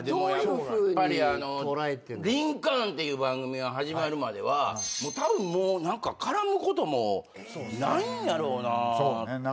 やっぱり『リンカーン』っていう番組が始まるまではたぶんもう何か絡むこともないんやろうなって。